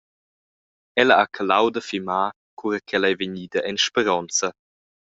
Ella ha calau da fimar cura ch’ella ei vegnida en speronza.